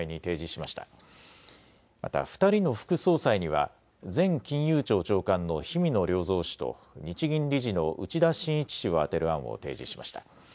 また２人の副総裁には前金融庁長官の氷見野良三氏と日銀理事の内田眞一氏を充てる案を提示しました。